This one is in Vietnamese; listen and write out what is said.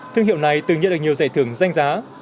thương hiệu này từng nhận được nhiều giải thưởng danh giá